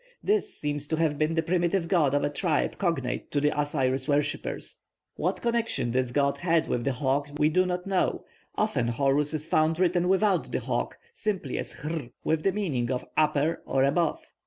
This seems to have been the primitive god of a tribe cognate to the Osiris worshippers. What connection this god had with the hawk we do not know; often Horus is found written without the hawk, simply as hr, with the meaning of 'upper' or 'above.'